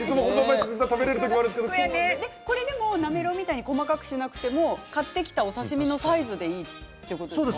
なめろうみたいに細かくしなくても買ってきたお刺身のサイズでいいっていうことですね。